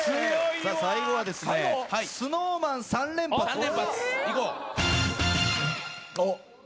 さあ最後はですねＳｎｏｗＭａｎ３連発です。